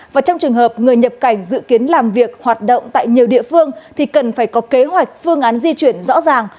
và trong trường hợp người nhập cảnh dự kiến làm việc hoạt động tại nhiều địa phương thì cần phải có kế hoạch phương án di chuyển rõ ràng